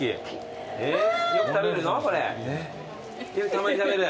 たまに食べる？